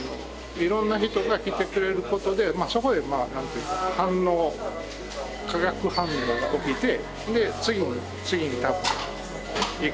いろんな人が来てくれることでそこでまあ何というか反応化学反応が起きてで次に次にいく。